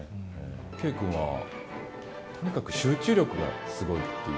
圭君は、とにかく集中力がすごいっていう。